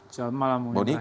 selamat malam bung neta